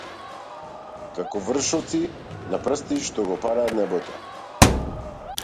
Како вршоци на прсти што го параат небото.